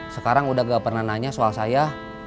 sekarang udah gak pernah nanya soal saya